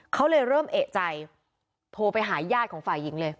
เขาเลยเริ่มเอกใจโทรไปหาญาติของฝ่ายหญิงเลย